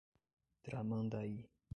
Tramandaí